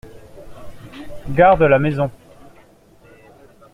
Garde la maison.